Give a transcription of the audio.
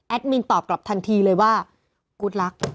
มินตอบกลับทันทีเลยว่ากู๊ดรัก